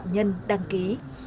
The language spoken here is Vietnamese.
nhân đăng ký